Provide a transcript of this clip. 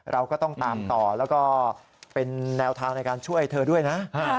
เราก็ต้องตามต่อแล้วก็เป็นแนวทางในการช่วยเธอด้วยนะ